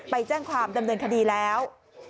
ไปแจ้งความดำเนินคดีแล้ว